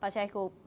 pak syekh qub